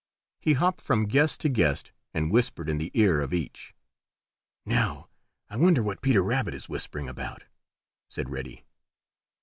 He hopped from guest to guest and whispered in the ear of each. "Now I wonder what Peter Rabbit is whispering about," said Reddy.